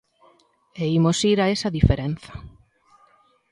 E imos ir a esa diferenza.